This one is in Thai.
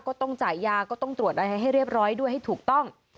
ก็ต้องจ่ายยาก็ต้องตรวจอะไรให้เรียบร้อยด้วยให้ถูกต้อง